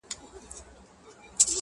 لکه شمع بلېده په انجمن کي!